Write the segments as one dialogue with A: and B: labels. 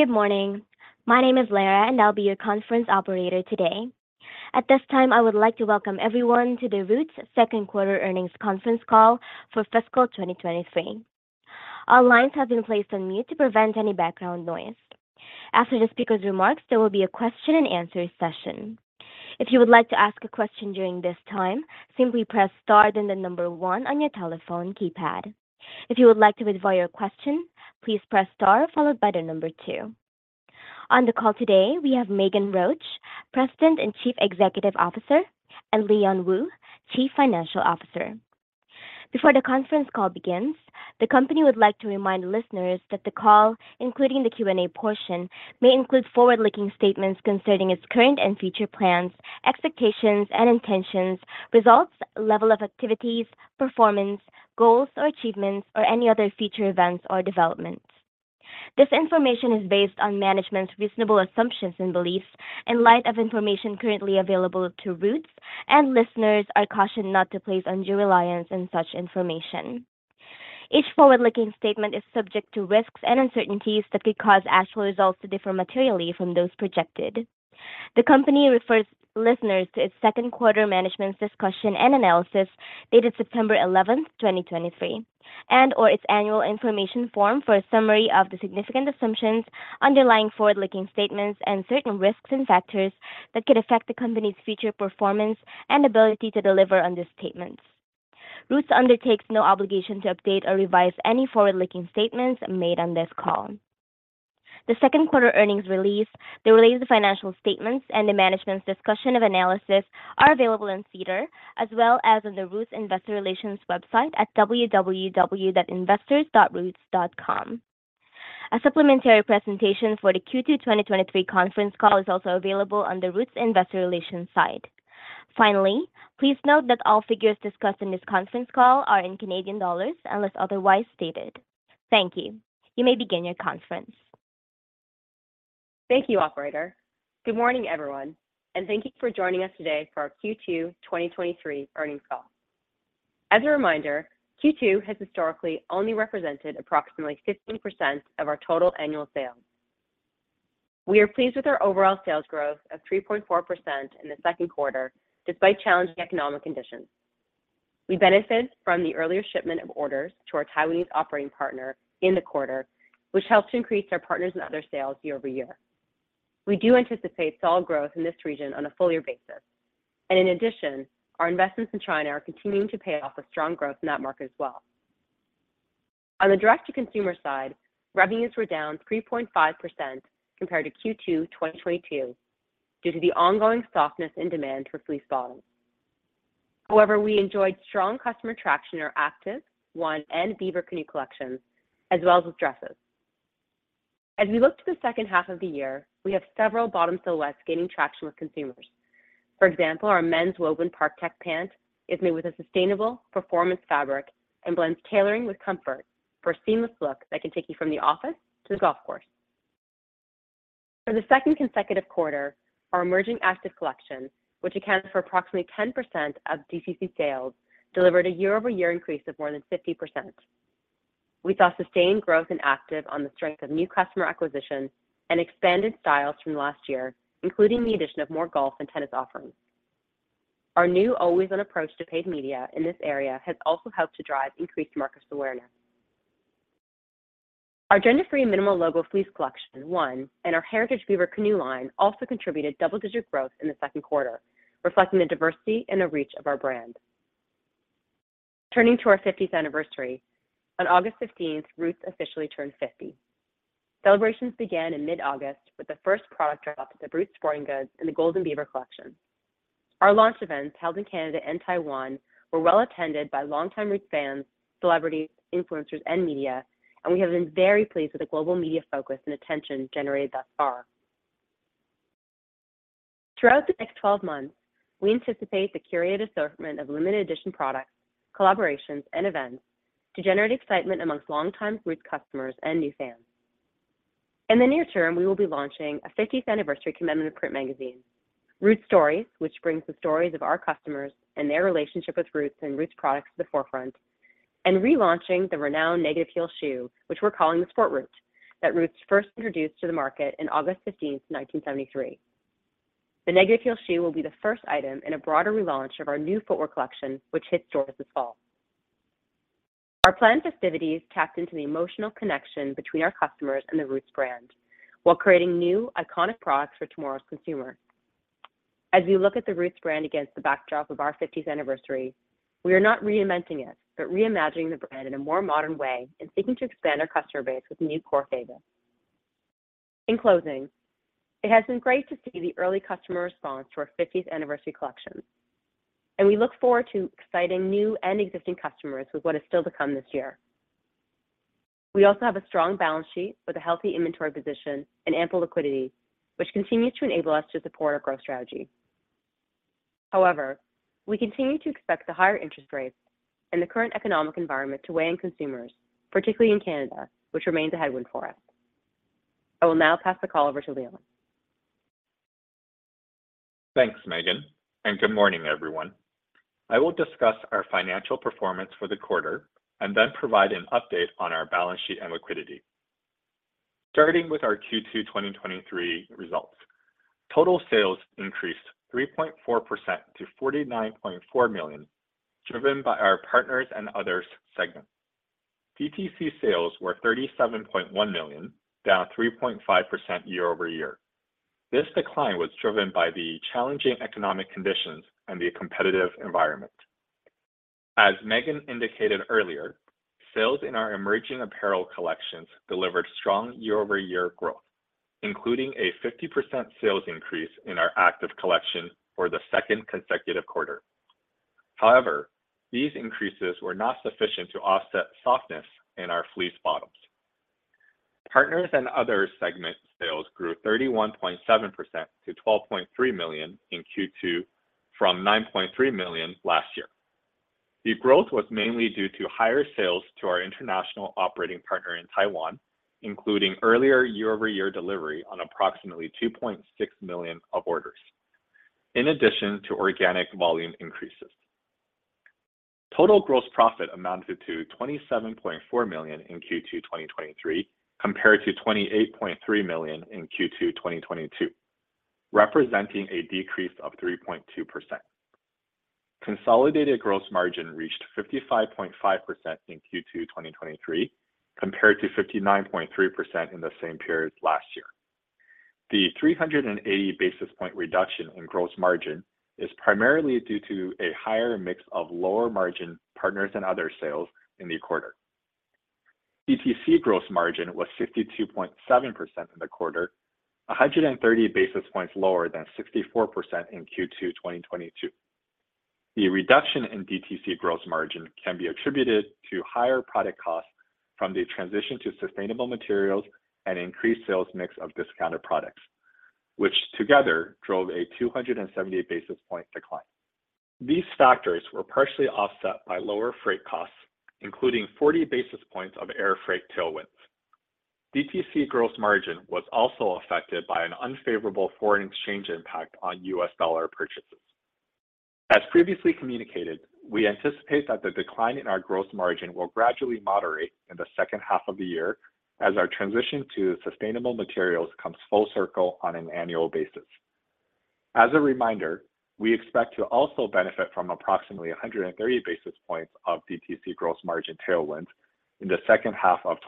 A: Good morning. My name is Lara, and I'll be your conference operator today. At this time, I would like to welcome everyone to the Roots second quarter earnings conference call for fiscal 2023. All lines have been placed on mute to prevent any background noise. After the speaker's remarks, there will be a question and answer session. If you would like to ask a question during this time, simply press star, then the number one on your telephone keypad. If you would like to withdraw your question, please press star followed by the number two. On the call today, we have Meghan Roach, President and Chief Executive Officer, and Leon Wu, Chief Financial Officer. Before the conference call begins, the company would like to remind listeners that the call, including the Q&A portion, may include forward-looking statements concerning its current and future plans, expectations and intentions, results, level of activities, performance, goals or achievements, or any other future events or developments. This information is based on management's reasonable assumptions and beliefs in light of information currently available to Roots, and listeners are cautioned not to place undue reliance on such information. Each forward-looking statement is subject to risks and uncertainties that could cause actual results to differ materially from those projected. The company refers listeners to its second quarter management's discussion and analysis dated September 11th, 2023, and/or its annual information form for a summary of the significant assumptions underlying forward-looking statements and certain risks and factors that could affect the company's future performance and ability to deliver on these statements. Roots undertakes no obligation to update or revise any forward-looking statements made on this call. The second quarter earnings release, the related financial statements and the management's discussion and analysis are available in SEDAR, as well as on the Roots Investor Relations website at www.investors.roots.com. A supplementary presentation for the Q2 2023 conference call is also available on the Roots Investor Relations site. Finally, please note that all figures discussed in this conference call are in Canadian dollars, unless otherwise stated. Thank you. You may begin your conference.
B: Thank you, operator. Good morning, everyone, and thank you for joining us today for our Q2 2023 earnings call. As a reminder, Q2 has historically only represented approximately 15% of our total annual sales. We are pleased with our overall sales growth of 3.4% in the second quarter, despite challenging economic conditions. We benefited from the earlier shipment of orders to our Taiwanese operating partner in the quarter, which helped to increase our Partners and Other sales year-over-year. We do anticipate solid growth in this region on a full year basis, and in addition, our investments in China are continuing to pay off with strong growth in that market as well. On the direct-to-consumer side, revenues were down 3.5% compared to Q2 2022 due to the ongoing softness in demand for fleece bottoms. However, we enjoyed strong customer traction in our Active, One, and Beaver Canoe collections, as well as with dresses. As we look to the second half of the year, we have several bottom silhouettes gaining traction with consumers. For example, our men's woven Park Tech pant is made with a sustainable performance fabric and blends tailoring with comfort for a seamless look that can take you from the office to the golf course. For the second consecutive quarter, our emerging active collection, which accounts for approximately 10% of DTC sales, delivered a year-over-year increase of more than 50%. We saw sustained growth in Active on the strength of new customer acquisitions and expanded styles from last year, including the addition of more golf and tennis offerings. Our new always-on approach to paid media in this area has also helped to drive increased market awareness. Our gender-free minimal logo fleece collection, One, and our Heritage Beaver Canoe line also contributed double-digit growth in the second quarter, reflecting the diversity and the reach of our brand. Turning to our 50th anniversary, on August fifteenth, Roots officially turned 50. Celebrations began in mid-August with the first product drop of the Roots Sporting Goods and the Golden Beaver collection. Our launch events, held in Canada and Taiwan, were well attended by longtime Roots fans, celebrities, influencers, and media, and we have been very pleased with the global media focus and attention generated thus far. Throughout the next 12 months, we anticipate the curated assortment of limited edition products, collaborations, and events to generate excitement among longtime Roots customers and new fans. In the near term, we will be launching a 50th anniversary commemorative print magazine, Roots Stories, which brings the stories of our customers and their relationship with Roots and Roots products to the forefront, and relaunching the renowned Negative Heel shoe, which we're calling the Sport Roots, that Roots first introduced to the market in August 15th, 1973. The Negative Heel shoe will be the first item in a broader relaunch of our new footwear collection, which hits stores this fall. Our planned festivities tapped into the emotional connection between our customers and the Roots brand while creating new iconic products for tomorrow's consumer. As we look at the Roots brand against the backdrop of our 50th anniversary, we are not reinventing it, but reimagining the brand in a more modern way and seeking to expand our customer base with new core favorites. In closing, it has been great to see the early customer response to our 50th anniversary collection, and we look forward to exciting new and existing customers with what is still to come this year. We also have a strong balance sheet with a healthy inventory position and ample liquidity, which continues to enable us to support our growth strategy. However, we continue to expect the higher interest rates and the current economic environment to weigh on consumers, particularly in Canada, which remains a headwind for us. I will now pass the call over to Leon.
C: Thanks, Meghan, and good morning, everyone. I will discuss our financial performance for the quarter and then provide an update on our balance sheet and liquidity. Starting with our Q2 2023 results, total sales increased 3.4% to 49.4 million, driven by our Partners and Other segment. DTC sales were CAD 37.1 million, down 3.5% year-over-year. This decline was driven by the challenging economic conditions and the competitive environment. As Meghan indicated earlier, sales in our emerging apparel collections delivered strong year-over-year growth, including a 50% sales increase in our active collection for the second consecutive quarter. However, these increases were not sufficient to offset softness in our fleece bottoms. Partners and Other segment sales grew 31.7% to 12.3 million in Q2 from 9.3 million last year. The growth was mainly due to higher sales to our international operating partner in Taiwan, including earlier year-over-year delivery on approximately 2.6 million of orders, in addition to organic volume increases. Total gross profit amounted to CAD 27.4 million in Q2 2023, compared to CAD 28.3 million in Q2 2022, representing a decrease of 3.2%. Consolidated gross margin reached 55.5% in Q2 2023, compared to 59.3% in the same period last year. The 380 basis point reduction in gross margin is primarily due to a higher mix of lower margin partners and other sales in the quarter. DTC gross margin was 52.7% in the quarter, 130 basis points lower than 64% in Q2 2022. The reduction in DTC gross margin can be attributed to higher product costs from the transition to sustainable materials and increased sales mix of discounted products, which together drove a 270 basis point decline. These factors were partially offset by lower freight costs, including 40 basis points of air freight tailwinds. DTC gross margin was also affected by an unfavorable foreign exchange impact on U.S. dollar purchases. As previously communicated, we anticipate that the decline in our gross margin will gradually moderate in the second half of the year as our transition to sustainable materials comes full circle on an annual basis. As a reminder, we expect to also benefit from approximately 130 basis points of DTC gross margin tailwind in the second half of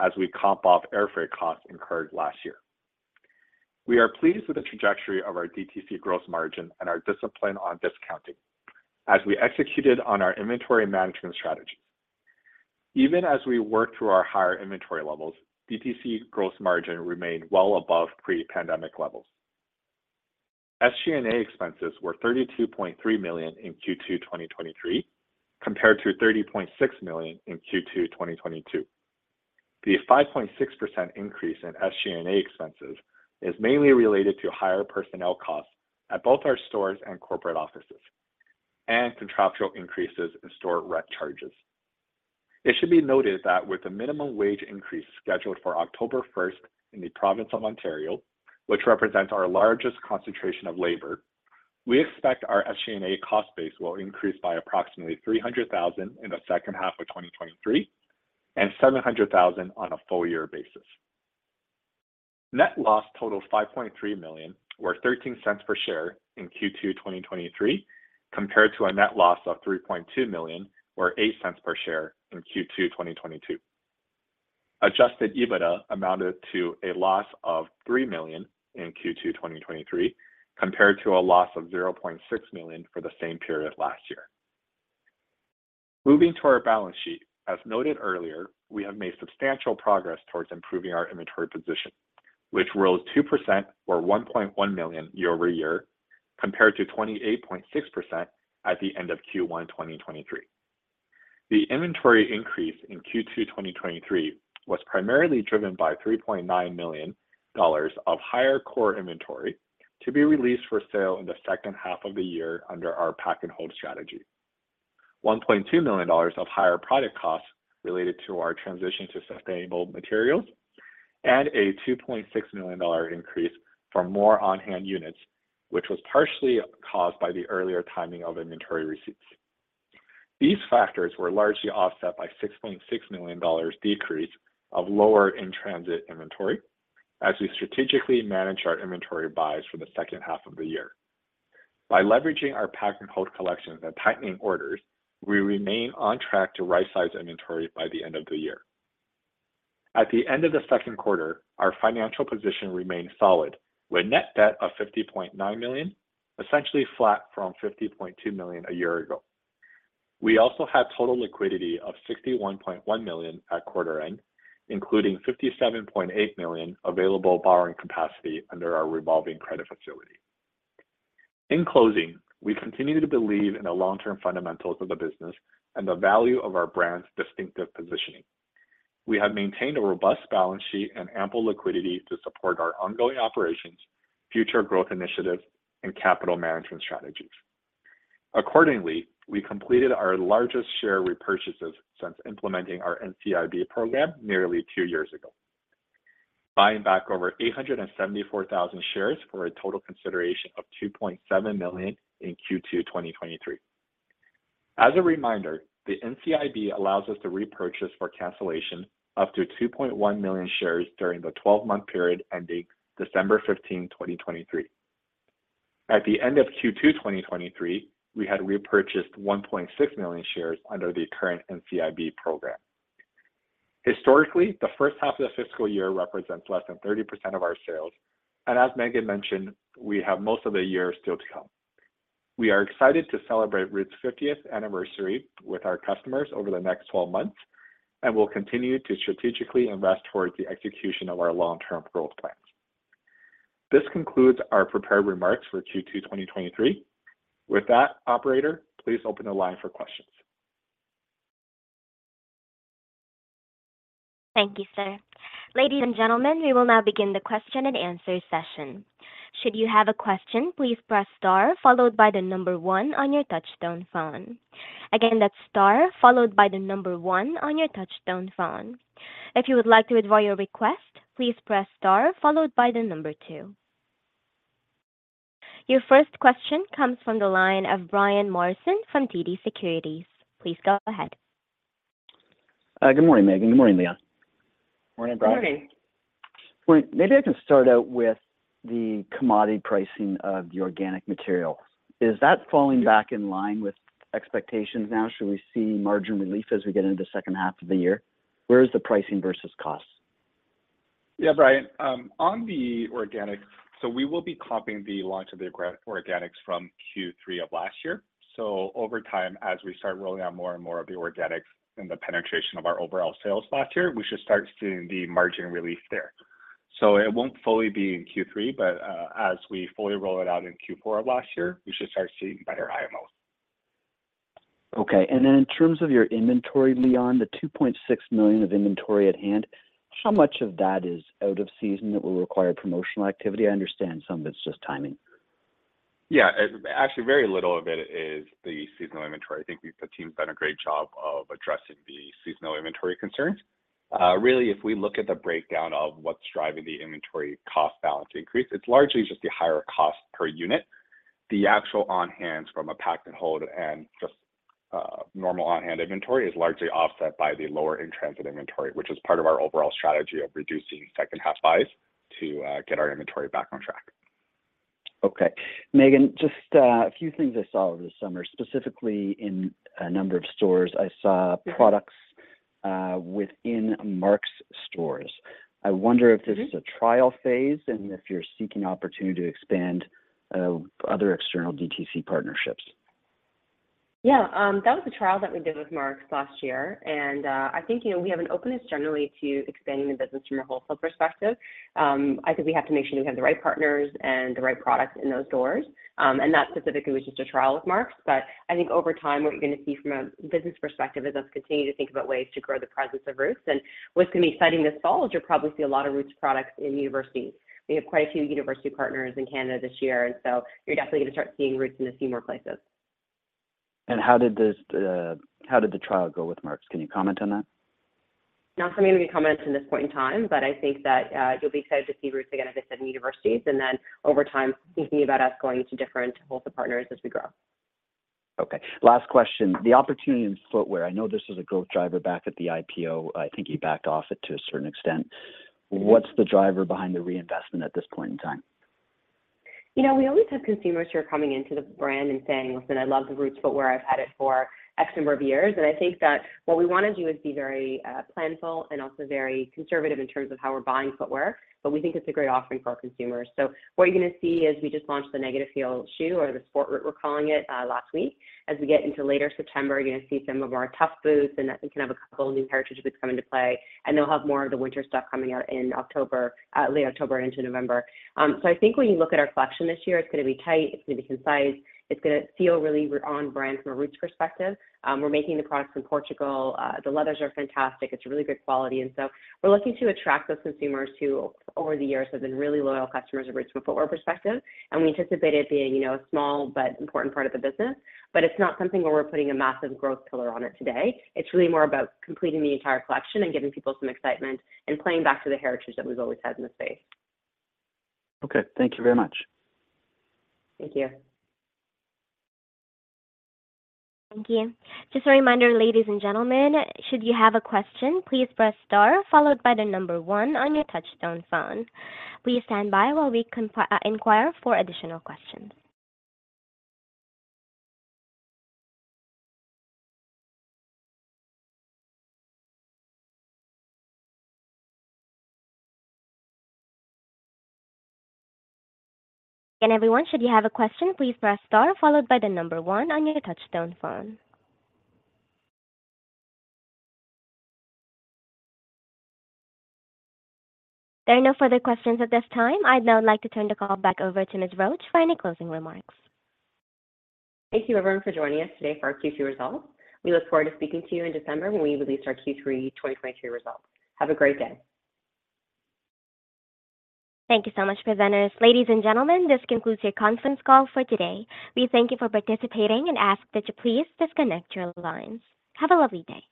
C: 2023, as we comp off air freight costs incurred last year. We are pleased with the trajectory of our DTC gross margin and our discipline on discounting as we executed on our inventory management strategy. Even as we work through our higher inventory levels, DTC gross margin remained well above pre-pandemic levels. SG&A expenses were CAD 32.3 million in Q2 2023, compared to CAD 30.6 million in Q2 2022. The 5.6% increase in SG&A expenses is mainly related to higher personnel costs at both our stores and corporate offices, and contractual increases in store rent charges. It should be noted that with the minimum wage increase scheduled for October first in the province of Ontario, which represents our largest concentration of labor, we expect our SG&A cost base will increase by approximately 300,000 in the second half of 2023, and 700,000 on a full year basis. Net loss totaled 5.3 million, or 0.13 per share in Q2 2023, compared to a net loss of 3.2 million, or 0.08 per share in Q2 2022. Adjusted EBITDA amounted to a loss of 3 million in Q2 2023, compared to a loss of 0.6 million for the same period last year. Moving to our balance sheet, as noted earlier, we have made substantial progress towards improving our inventory position, which rose 2% or 1.1 million year-over-year, compared to 28.6% at the end of Q1 2023. The inventory increase in Q2 2023 was primarily driven by 3.9 million dollars of higher core inventory to be released for sale in the second half of the year under our pack and hold strategy. 1.2 million of higher product costs related to our transition to sustainable materials, and a 2.6 million dollar increase for more on-hand units, which was partially caused by the earlier timing of inventory receipts. These factors were largely offset by 6.6 million dollars decrease of lower in-transit inventory as we strategically managed our inventory buys for the second half of the year. By leveraging our pack and hold collections and tightening orders, we remain on track to right-size inventory by the end of the year. At the end of the second quarter, our financial position remained solid, with net debt of 50.9 million, essentially flat from 50.2 million a year ago. We also had total liquidity of 61.1 million at quarter end, including 57.8 million available borrowing capacity under our revolving credit facility. In closing, we continue to believe in the long-term fundamentals of the business and the value of our brand's distinctive positioning. We have maintained a robust balance sheet and ample liquidity to support our ongoing operations, future growth initiatives, and capital management strategies. Accordingly, we completed our largest share repurchases since implementing our NCIB program nearly two years ago, buying back over 874,000 shares for a total consideration of 2.7 million in Q2 2023. As a reminder, the NCIB allows us to repurchase for cancellation up to 2.1 million shares during the 12-month period ending December 15th, 2023. At the end of Q2 2023, we had repurchased 1.6 million shares under the current NCIB program. Historically, the first half of the fiscal year represents less than 30% of our sales, and as Meghan mentioned, we have most of the year still to come. We are excited to celebrate Roots' 50th anniversary with our customers over the next 12 months, and we'll continue to strategically invest towards the execution of our long-term growth plans. This concludes our prepared remarks for Q2 2023. With that, operator, please open the line for questions.
A: Thank you, sir. Ladies and gentlemen, we will now begin the question and answer session. Should you have a question, please press star followed by the number one on your touchtone phone. Again, that's star followed by the number one on your touchtone phone. If you would like to withdraw your request, please press star followed by the number two. Your first question comes from the line of Brian Morrison from TD Securities. Please go ahead.
D: Good morning, Meghan. Good morning, Leon.
C: Morning, Brian.
B: Good morning.
D: Well, maybe I can start out with the commodity pricing of the organic material. Is that falling back in line with expectations now? Should we see margin relief as we get into the second half of the year? Where is the pricing versus costs?
C: Yeah, Brian, on the organics, so we will be comping the launch of the organics from Q3 of last year. So over time, as we start rolling out more and more of the organics and the penetration of our overall sales last year, we should start seeing the margin relief there. So it won't fully be in Q3, but, as we fully roll it out in Q4 of last year, we should start seeing better IMUs.
D: Okay. And then in terms of your inventory, Leon, the 2.6 million of inventory at hand, how much of that is out of season that will require promotional activity? I understand some of it's just timing.
C: Yeah. Actually, very little of it is the seasonal inventory. I think the team's done a great job of addressing the seasonal inventory concerns. Really, if we look at the breakdown of what's driving the inventory cost balance increase, it's largely just the higher cost per unit. The actual on-hands from a pack and hold and just normal on-hand inventory is largely offset by the lower in-transit inventory, which is part of our overall strategy of reducing second-half buys to get our inventory back on track.
D: Okay. Meghan, just a few things I saw over the summer, specifically in a number of stores.
B: Yes.
D: I saw products within Mark's stores.
B: Mm-hmm.
D: I wonder if this is a trial phase and if you're seeking opportunity to expand other external DTC partnerships?
B: Yeah. That was a trial that we did with Mark's last year, and I think, you know, we have an openness generally to expanding the business from a wholesale perspective. I think we have to make sure we have the right partners and the right products in those stores. And that specifically was just a trial with Mark's. But I think over time, what you're gonna see from a business perspective is us continuing to think about ways to grow the presence of Roots. And what's gonna be exciting this fall is you'll probably see a lot of Roots products in universities. We have quite a few university partners in Canada this year, and so you're definitely gonna start seeing Roots in a few more places.
D: How did the trial go with Mark's? Can you comment on that?
B: Not for me to comment at this point in time, but I think that, you'll be excited to see Roots again, as I said, in universities, and then over time, thinking about us going to different wholesale partners as we grow.
D: Okay. Last question: the opportunity in footwear. I know this was a growth driver back at the IPO. I think you backed off it to a certain extent.
B: Mm-hmm.
D: What's the driver behind the reinvestment at this point in time?
B: You know, we always have consumers who are coming into the brand and saying, "Listen, I love the Roots footwear. I've had it for X number of years." And I think that what we wanna do is be very, planful and also very conservative in terms of how we're buying footwear, but we think it's a great offering for our consumers. So what you're gonna see is we just launched the Negative Heel shoe or the Sport Root, we're calling it, last week. As we get into later September, you're gonna see some of our Tuff boots, and I think we have a couple of new heritage boots come into play, and they'll have more of the winter stuff coming out in October, late October into November. So, I think when you look at our collection this year, it's gonna be tight, it's gonna be concise, it's gonna feel really on brand from a Roots perspective. We're making the products in Portugal. The leathers are fantastic. It's really good quality, and so we're looking to attract those consumers who, over the years, have been really loyal customers of Roots from a footwear perspective, and we anticipate it being, you know, a small but important part of the business, but it's not something where we're putting a massive growth pillar on it today. It's really more about completing the entire collection and giving people some excitement and playing back to the heritage that we've always had in the space.
D: Okay. Thank you very much.
B: Thank you.
A: Thank you. Just a reminder, ladies and gentlemen, should you have a question, please press star followed by the number one on your touch tone phone. Please stand by while we inquire for additional questions. Again, everyone, should you have a question, please press star followed by the number one on your touch tone phone. There are no further questions at this time. I'd now like to turn the call back over to Ms. Roach for any closing remarks.
B: Thank you, everyone, for joining us today for our Q2 results. We look forward to speaking to you in December when we release our Q3 2023 results. Have a great day.
A: Thank you so much, presenters. Ladies and gentlemen, this concludes your conference call for today. We thank you for participating and ask that you please disconnect your lines. Have a lovely day.